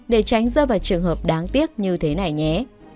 để tránh rơi vào trường hợp đáng tiếc như thế này nhé